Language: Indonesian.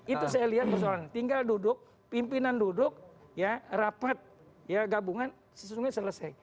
itu saya lihat persoalan tinggal duduk pimpinan duduk ya rapat ya gabungan sesungguhnya selesai